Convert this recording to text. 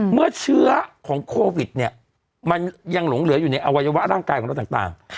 เมื่อเชื้อของโควิดเนี่ยมันยังหลงเหลืออยู่ในอวัยวะร่างกายของเราต่าง